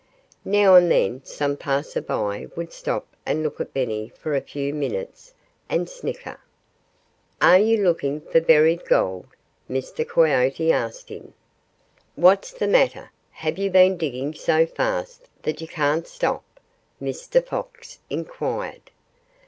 Now and then some passer by would stop and look at Benny for a few minutes, and snicker. "Are you looking for buried gold?" Mr. Coyote asked him. "What's the matter have you been digging so fast that you can't stop?" Mr. Fox inquired.